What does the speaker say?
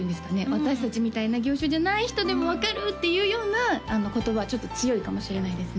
私達みたいな業種じゃない人でも分かるっていうような言葉はちょっと強いかもしれないですね